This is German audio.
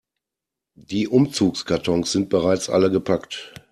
Die Umzugskartons sind bereits alle gepackt.